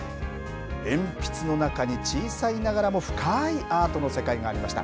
鉛筆の中に小さいながらも深いアートの世界がありました。